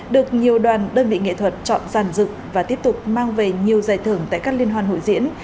được nhiều đoàn đơn vị nghệ thuật chọn giàn dựng và tiếp tục mang về nhiều giải thưởng tại các liên hoan hội diễn